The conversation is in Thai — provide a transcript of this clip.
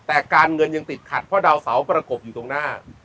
แต่การเงินยังติดขัดเพราะดาวเสาประกบอยู่ตรงหน้า